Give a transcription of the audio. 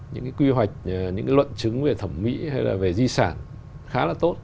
những cái quy hoạch những cái luận chứng về thẩm mỹ hay là về di sản khá là tốt